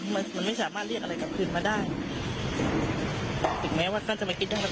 มันมันไม่สามารถเรียกอะไรกลับคืนมาได้ถึงแม้ว่าท่านจะมาคิดได้ว่า